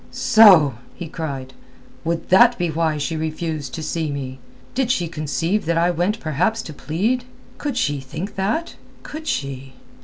"So!" he cried. "Would that be why she refused to see me? Did she conceive that I went perhaps to plead? Could she think that? Could she?"